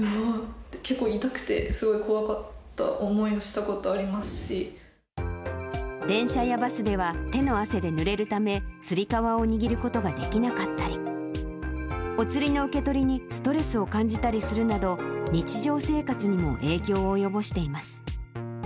結構痛くて、すごい怖かった思い電車やバスでは手の汗でぬれるため、つり革を握ることができなかったり、お釣りの受け取りにストレスを感じたりするなど、日常生活にも影響を及ぼしています。